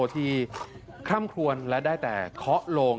ที่คล่ำควรและได้แต่เคาะโลง